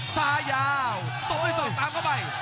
ซ้ายยาวตบด้วยศอกตามเข้าไป